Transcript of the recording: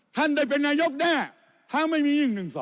ท่านได้เป็นนายกแน่ถ้าไม่มี๑๑๒